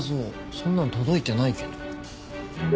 そんなの届いてないけど。